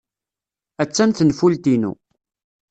Attan tenfult-inu.